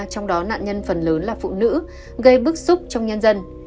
trong đó nạn nhân phần lớn là phụ nữ gây bức xúc trong nhân dân